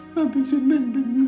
nanti saya deng dengkera